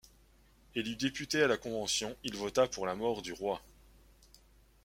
Élu député à la Convention, il vota pour la mort du Roi.